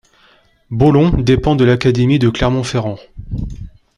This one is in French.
Beaulon dépend de l'académie de Clermont-Ferrand.